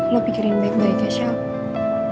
lo pikirin baik baik ya shel